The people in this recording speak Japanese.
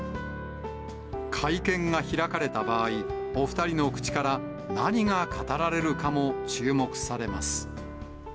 会見が開かれた場合、お２人の口から何が語られるかも注目されます。